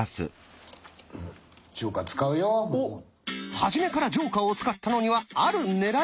はじめからジョーカーを使ったのにはある狙いが。